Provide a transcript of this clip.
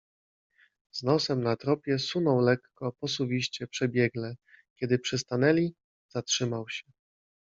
Z nosem na tropie, sunął lekko, posuwiście, przebiegle. Kiedy przystanęli - zatrzymał się